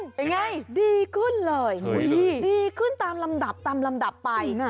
เป็นไงดีขึ้นเลยดีขึ้นตามลำดับตามลำดับไป